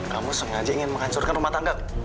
kamu sengaja ingin menghancurkan rumah tangga